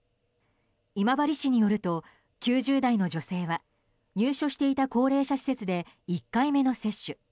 今治市によると、９０代の女性は入所していた高齢者施設で１回目の接種。